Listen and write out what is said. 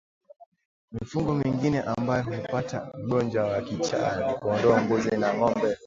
Mifugo mingine ambayo hupata ugonjwa wa kichaa ni kondoo mbuzi na ngombe